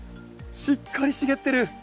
しっかり茂ってる。